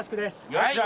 よっしゃ！